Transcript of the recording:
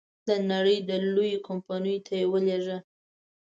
د نړی لویو کمپنیو ته یې ولېږه.